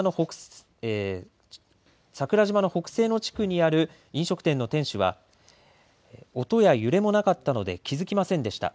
桜島の北西の地区にある飲食店の店主は、音や揺れもなかったので気付きませんでした。